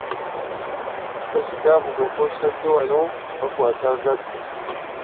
Amasasi gaavuga okwosa jjo wano nga bakwata agabbi.